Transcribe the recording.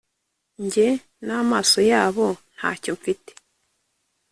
njye n'amaso yabo - ntacyo mfite